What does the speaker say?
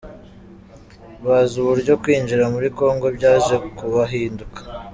Bazi uburyo kwinjira muri Congo byaje kubahinduka.